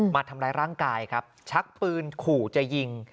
มาทำร้ายร่างกายครับชักปืนขู่จะยิง